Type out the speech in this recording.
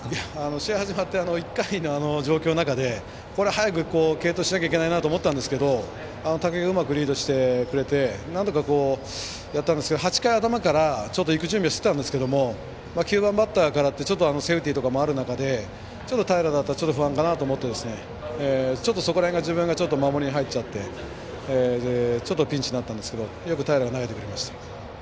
試合始まって１回の状況の中でこれは早く継投しないといけないと思いましたがうまくリードしてくれてなんとかやったんですが８回頭から行く準備はしてたんですけど９番バッターでちょっとセーフティーとかもある中でちょっと平だったら不安かなと思ってそこら辺が、自分が守りに入っちゃってピンチになっちゃったんですけどよく平が投げてくれました。